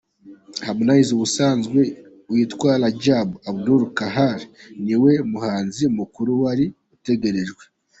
Harmonize ubusanzwe witwa Rajab Abdul Kahali, ni we muhanzi mukuru wari utegerejwe.